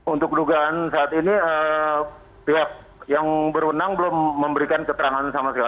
untuk dugaan saat ini pihak yang berwenang belum memberikan keterangan sama sekali